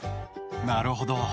なるほど。